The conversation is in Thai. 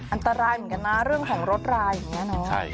อันตรายเหมือนกันนะเรื่องของรถราอย่างนี้เนาะ